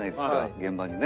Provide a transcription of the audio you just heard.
現場にね。